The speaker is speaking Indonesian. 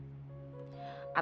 abang harus punya anak dari kamu